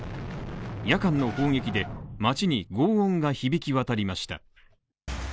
夜間の砲撃で、街にごう音が響き渡りました。